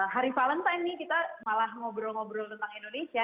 hari valentine nih kita malah ngobrol ngobrol tentang indonesia